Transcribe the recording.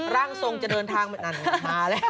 ร่างทรงจะเดินทางมาแล้ว